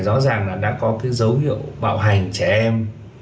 rõ ràng là đã có cái dấu hiệu bạo hành trẻ em